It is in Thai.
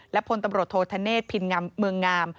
และพลตำรวจโทษธเนศพินงามเมืองงาม